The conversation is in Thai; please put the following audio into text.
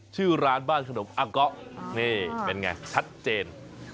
ชื่อร้านบ้านขนมอังเกาะนี่เป็นไงชัดเจน